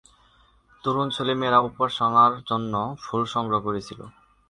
তরুণ ছেলেমেয়েরা উপাসনার জন্য ফুল সংগ্রহ করছিল।